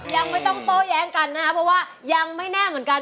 ยังไม่ต้องโต้แย้งกันนะครับเพราะว่ายังไม่แน่เหมือนกัน